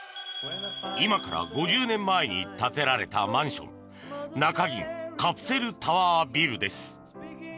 今から５０年前に建てられたマンション中銀カプセルタワービルです。